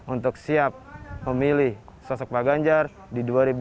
untuk siap memilih sosok pak ganjar di dua ribu dua puluh